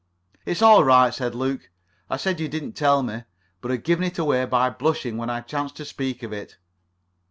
"It's all right," said Luke, "I said you didn't tell me, but had given it away by blushing when I chanced to speak of it."